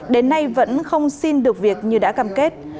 đến nay vẫn không xin được việc như đã cam kết